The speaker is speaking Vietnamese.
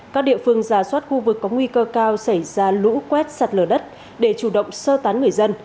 các địa phương giả soát khu vực có nguy cơ cao xảy ra lũ quét sạt lở đất để chủ động sơ tán người dân